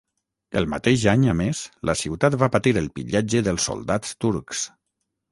El mateix any, a més, la ciutat va patir el pillatge dels soldats turcs.